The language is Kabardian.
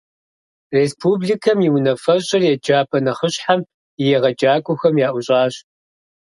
Республикэм и Унафэщӏыр еджапӏэ нэхъыщхьэм и егъэджакӏуэхэм яӏущӏащ.